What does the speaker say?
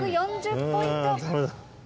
１４０ポイント。